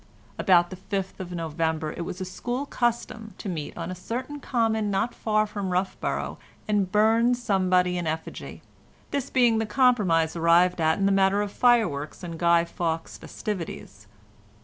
About the fifth of November it was a school custom to meet on a certain common not far from Roughborough and burn somebody in effigy, this being the compromise arrived at in the matter of fireworks and Guy Fawkes festivities.